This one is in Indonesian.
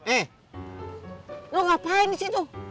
eh lo ngapain disitu